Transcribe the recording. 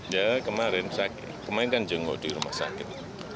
ya kemarin sakit kemarin kan jenggok di rumah sakit